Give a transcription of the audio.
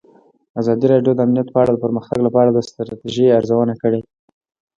ازادي راډیو د امنیت په اړه د پرمختګ لپاره د ستراتیژۍ ارزونه کړې.